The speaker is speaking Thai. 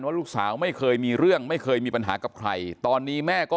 ลูกสาวไม่เคยมีเรื่องไม่เคยมีปัญหากับใครตอนนี้แม่ก็